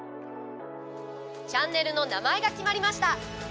チャンネルの名前が決まりました。